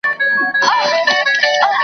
ـ دفتر ته له ځان سره ډوډۍ وړې که نه؟